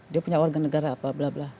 dia punya warga negara apa blablabla